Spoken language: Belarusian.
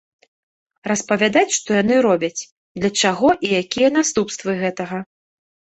Распавядаць, што яны робяць, для чаго і якія наступствы гэтага.